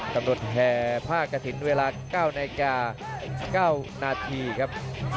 กำหนดแห่ผ้ากระทินเวลา๙นาทีครับ